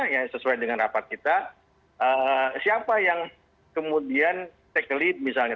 yang sesuai dengan rapat kita siapa yang kemudian take aleate misalnya